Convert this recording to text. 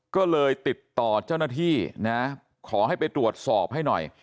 ก็เลยติดต่อเจ้าหน้าที่นะขอให้ไปตรวจสอบให้หน่อย